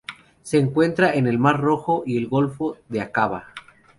Se encuentra en el Mar Rojo y el Golfo de Aqaba.